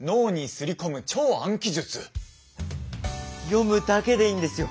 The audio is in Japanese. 読むだけでいいんですよ。